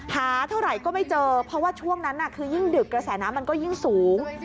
หาเท่าไหร่ก็ไม่เจอเพราะว่าช่วงนั้นคือยิ่งดึกกระแสน้ำมันก็ยิ่งสูง